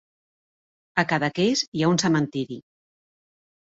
A Cadaqués hi ha un cementiri.